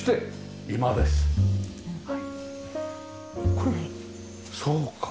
これそうか。